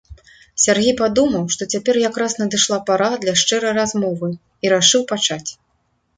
Сяргей падумаў, што цяпер якраз надышла пара для шчырай размовы, і рашыў пачаць.